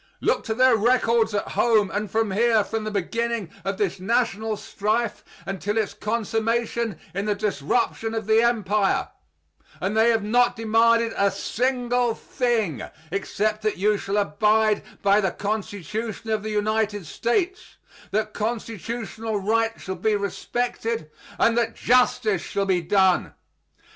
Look to their records at home and here from the beginning of this national strife until its consummation in the disruption of the empire, and they have not demanded a single thing except that you shall abide by the Constitution of the United States; that constitutional rights shall be respected, and that justice shall be done.